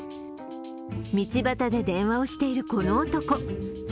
道端で電話をしているこの男。